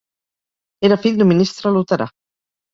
Era fill d'un ministre luterà.